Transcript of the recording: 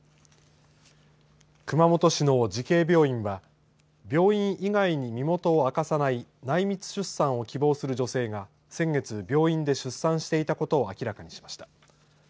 熊本市の慈恵病院は病院以外に身元を明かさない内密出産を希望する女性が先月、病院で出産していたことを明らかにしました。